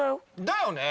だよね！